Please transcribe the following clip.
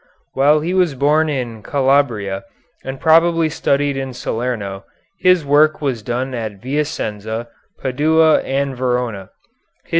While he was born in Calabria, and probably studied in Salerno, his work was done at Vicenza, Padua, and Verona.